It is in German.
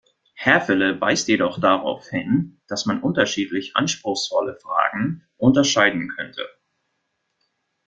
Häfele weist jedoch darauf hin, dass man unterschiedlich anspruchsvolle Fragen unterscheiden könnte.